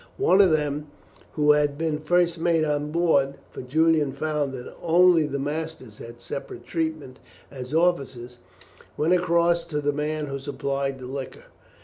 One of them, who had been first mate on board for Julian found that only the masters had separate treatment as officers went across to the man who supplied liquor.